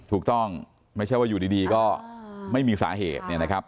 ถูกต้องไม่ใช่ว่าอยู่ดีก็ไม่มีสาเหตุนะครับ